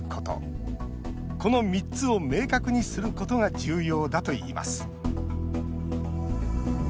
この３つを明確にすることが重要だといいます。